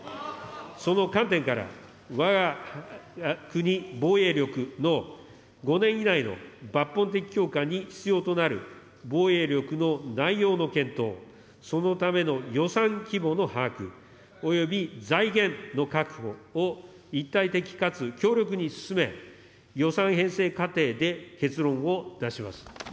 その観点から、わが国防衛力の５年以内の抜本的強化に必要となる防衛力の内容の検討、そのための予算規模の把握および財源の確保を一体的かつ強力に進め、予算編成過程で、結論を出します。